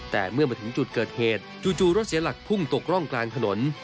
แต่เมื่อมาถึงจุดเกิดเหตุจู่รถเสียหลักพุ่งตกร่องกลางถนน